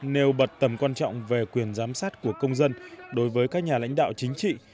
nêu bật tầm quan trọng về quyền giám sát của công dân đối với các nhà lãnh đạo chính trị